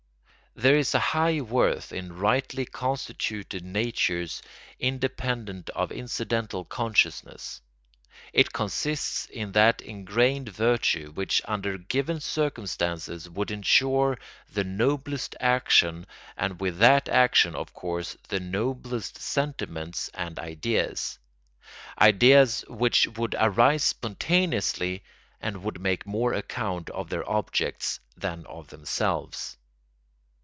There is a high worth in rightly constituted natures independent of incidental consciousness. It consists in that ingrained virtue which under given circumstances would insure the noblest action and with that action, of course, the noblest sentiments and ideas; ideas which would arise spontaneously and would make more account of their objects than of themselves.